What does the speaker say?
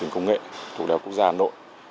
công nghệ thuộc đảo quốc gia hà nội